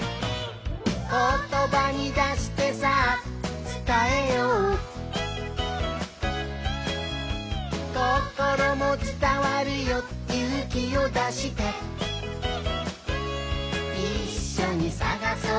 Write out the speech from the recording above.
「ことばに出してさあつたえよう」「こころもつたわるよゆうきをだして」「いっしょにさがそう！